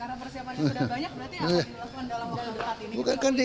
karena persiapannya sudah banyak berarti apa dilakukan dalam waktu saat ini